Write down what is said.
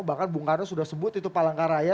bahkan bung karno sudah sebut itu palangkaraya